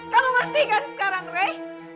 kamu ngerti kan sekarang rey